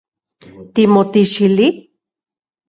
¿Timotixili?